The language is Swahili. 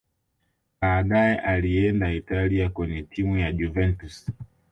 baadaye alienda italia kwenye timu ya juventus